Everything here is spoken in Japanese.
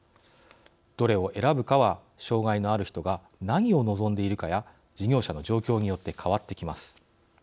どれを選ぶかは障害のある人が何を望んでいるかや事業者の状況によって変わってきます。